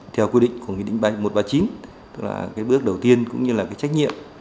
theo quy định của nghị định một trăm ba mươi chín tức là cái bước đầu tiên cũng như là cái trách nhiệm